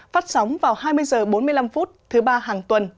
phát sóng vào hai mươi h bốn mươi năm thứ ba hàng tuần